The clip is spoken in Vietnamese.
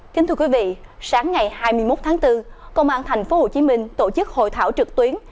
kính thưa quý vị sáng ngày hai mươi một tháng bốn công an tp hcm tổ chức hội thảo trực tuyến